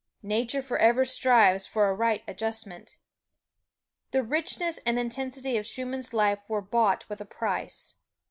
Nature forever strives for a right adjustment. The richness and intensity of Schumann's life were bought with a price.